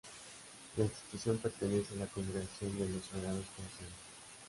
La institución pertenece a la Congregación de los Sagrados Corazones.